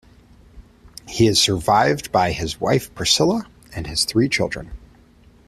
He is survived by his wife Priscilla and his three children.